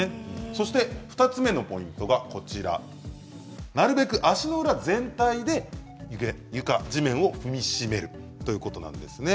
そして２つ目のポイントがなるべく足の裏全体で床、地面を踏みしめるということなんですね。